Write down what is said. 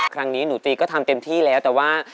ครั้งนี้หนูตีก็ทำเต็มที่แล้วแต่ว่า